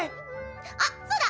あっそうだ！